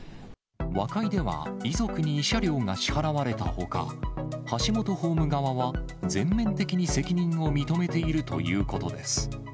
和解では、遺族に慰謝料が支払われたほか、ハシモトホーム側は、全面的に責任を認めているということです。